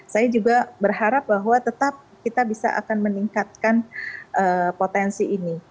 saya juga berharap bahwa tetap kita bisa akan meningkatkan potensi ini